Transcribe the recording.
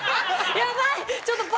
やばい！